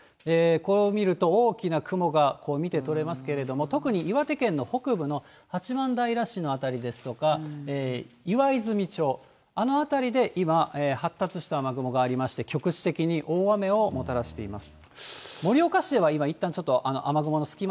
これを見ると、大きな雲が見てとれますけれども、特に岩手県の北部の八幡平市の辺りですとか、いわいずみ町、あの辺りで今、発達した雨雲がありまして、局地的に大雨をもたらしています。